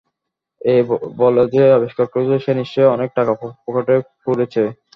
এই বল যে আবিষ্কার করেছিল, সে নিশ্চয়ই অনেক টাকা পকেটে পুরেছে।